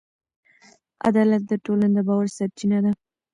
عدالت د ټولنې د باور سرچینه ده.